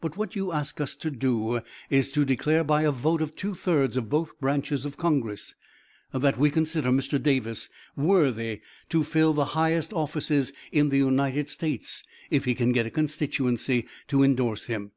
But what you ask us to do is to declare by a vote of two thirds of both branches of Congress, that we consider Mr. Davis worthy to fill the highest offices in the United States if he can get a constituency to indorse him.